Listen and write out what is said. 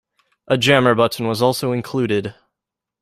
A Jammer button was also included.